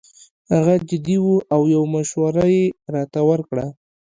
هغه جدي وو او یو مشوره یې راته ورکړه.